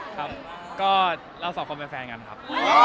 ครับก็เราสองคนเป็นแฟนกันครับ